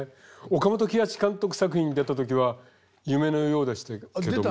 岡本喜八監督作品に出た時は夢のようでしたけども。